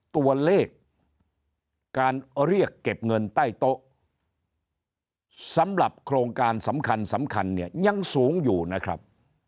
ตัวเลขการเรียกเก็บเงินใต้โต๊ะสำหรับโครงการสำคัญสำคัญเนี่ยยังสูงอยู่นะครับ